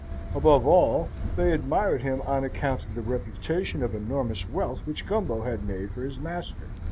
Above all, they admired him on account of the reputation of enormous wealth which Gumbo had made for his master.